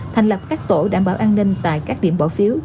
thành lập các tổ đảm bảo an ninh tại các điểm bỏ phiếu